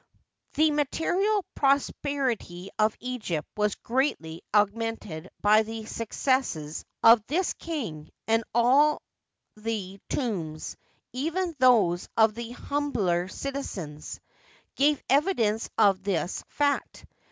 The material prosperity of Eg^pt was greatly aug mented by the successes of this king, and all the tombs, even those of the humbler citizens, give evidence of this fact.